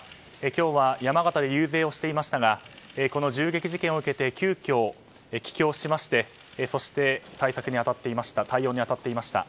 今日は山形で遊説をしていましたがこの銃撃事件を受けて急きょ帰京しましてそして対応に当たっていました。